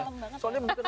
oh kamu kalem banget ya